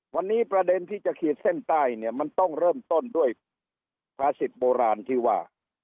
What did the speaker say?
วันนี้ประเด็นที่จะขีดเส้นใต้เนี่ยมันต้องเริ่มต้นด้วยภาษิตโบราณที่ว่า